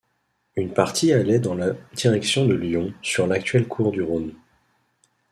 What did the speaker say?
Une partie allait dans la direction de Lyon sur l'actuel cours du Rhône.